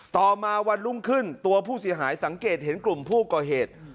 ต่อมาวันรุ่งขึ้นตัวผู้เสียหายสังเกตเห็นกลุ่มผู้ก่อเหตุ